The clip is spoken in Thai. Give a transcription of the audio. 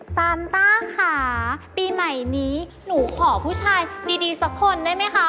ซานต้าค่ะปีใหม่นี้หนูขอผู้ชายดีสักคนได้ไหมคะ